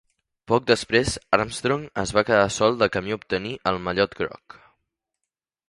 Poc després Armstrong es va quedar sol de camí a obtenir el Mallot groc.